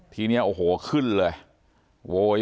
ทีนี้กระโกะขึ้นเลย